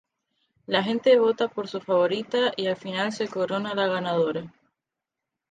La gente vota por su favorita y al final se corona la ganadora.